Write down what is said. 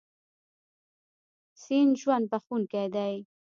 سیند ژوند بښونکی دی.